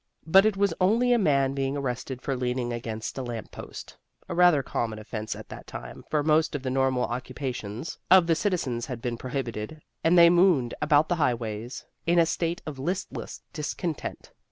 But it was only a man being arrested for leaning against a lamp post a rather common offence at that time, for most of the normal occupations of the citizens had been prohibited, and they mooned about the highways in a state of listless discontent.